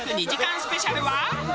スペシャルは。